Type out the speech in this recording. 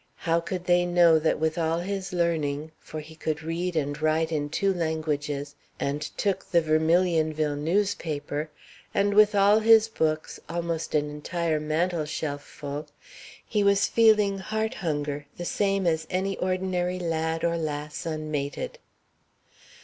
How could they know that with all his learning for he could read and write in two languages and took the Vermilionville newspaper and with all his books, almost an entire mantel shelf full he was feeling heart hunger the same as any ordinary lad or lass unmated?